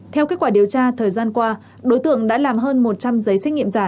theo kết quả điều tra thời gian qua đối tượng đã làm hơn một trăm linh giấy xét nghiệm giả